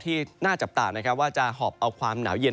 ที่น่าจับตานะครับว่าจะหอบเอาความหนาวเย็น